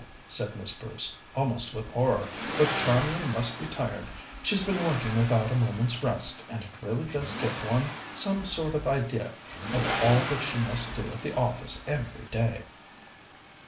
said Miss Bruce, almost with horror. "But Charmian must be tired. She's been working without a moment's rest, and it really does give one some sort of idea of all that she must do at the office every day."